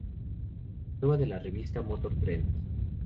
Prueba de la revista "Motor Trend".